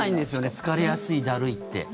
疲れやすい、だるいって。